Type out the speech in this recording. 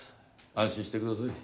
安心してください。